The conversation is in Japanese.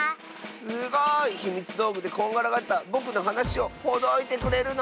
すごい！ひみつどうぐでこんがらがったぼくのはなしをほどいてくれるの？